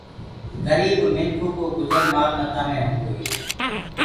گريب منکآ ڪو گُجر مآل متآ مي هوندو هي۔